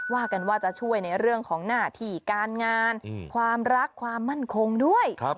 กันว่าจะช่วยในเรื่องของหน้าที่การงานความรักความมั่นคงด้วย